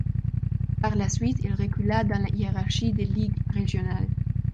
Par la suite, il recula dans la hiérarchie des ligues régionales.